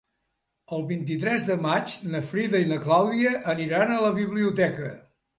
El vint-i-tres de maig na Frida i na Clàudia aniran a la biblioteca.